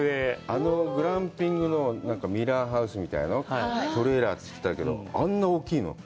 あのグランピングのミラーハウスみたいなの、トレーラーって言ってたけど、あんなに大きいの？